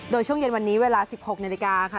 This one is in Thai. โดยช่วงเย็นวันนี้เวลา๑๖นาฬิกาค่ะ